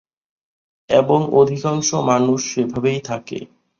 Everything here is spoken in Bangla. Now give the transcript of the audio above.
এবং অধিকাংশ মানুষ সেভাবেই থাকে।